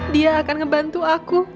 dia akan ngebantu aku